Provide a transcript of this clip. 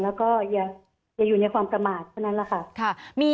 แล้วก็อย่าอยู่ในความประมาทเท่านั้นแหละค่ะ